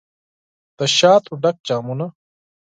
دشاتو ډک جامونه